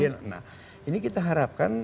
nah ini kita harapkan